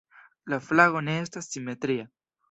La flago ne estas simetria.